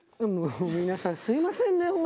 皆さんすいませんね